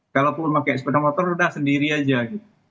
kalau pun mau pakai sepeda motor udah sendiri aja gitu